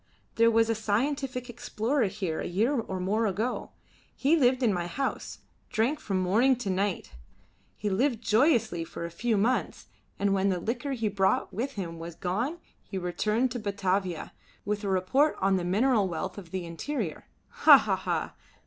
There was a scientific explorer here a year or more ago. He lived in my house: drank from morning to night. He lived joyously for a few months, and when the liquor he brought with him was gone he returned to Batavia with a report on the mineral wealth of the interior. Ha, ha, ha!